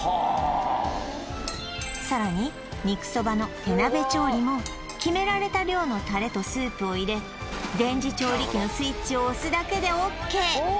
さらに肉そばの手鍋調理も決められた量のタレとスープを入れ電磁調理器のスイッチを押すだけでＯＫ